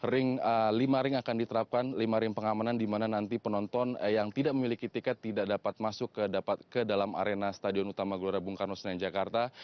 ring lima ring akan diterapkan lima ring pengamanan di mana nanti penonton yang tidak memiliki tiket tidak dapat masuk ke dalam arena stadion utama gelora bung karno senayan jakarta